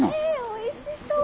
おいしそう！